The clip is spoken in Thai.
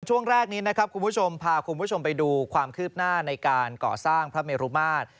ช่วงแรกนี้พาคุณผู้ชมไปดูความคืบหน้าในการก่อสร้างพระเมรุมาตร